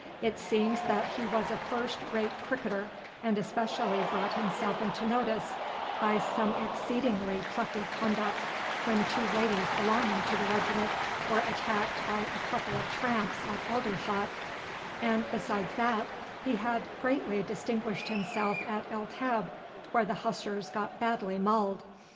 It seems that he was a first rate cricketer, and especially brought himself into notice by some exceedingly plucky conduct when two ladies belonging to the regiment were attacked by a couple of tramps at Aldershot; and besides that he had greatly distinguished himself at El Teb, where the Hussars got badly mauled.